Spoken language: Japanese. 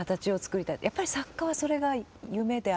やっぱり作家はそれが夢である？